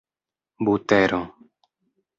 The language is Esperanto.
butero